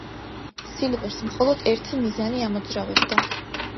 სილვერს მხოლოდ ერთი მიზანი ამოძრავებდა.